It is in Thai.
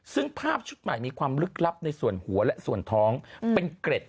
ซึ่งภาพชุดใหม่มีความลึกลับในส่วนหัวและส่วนท้องเป็นเกร็ด